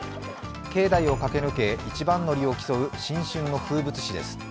境内を駆け抜け一番乗りを競う新春の風物詩です。